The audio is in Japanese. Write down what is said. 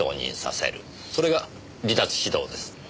それが離脱指導です。